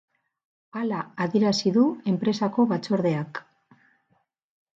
Hala adierazi du enpresako batzordeak.